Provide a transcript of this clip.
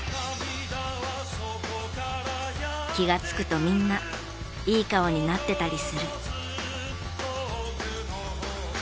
気がつくとみんないい顔になってたりする。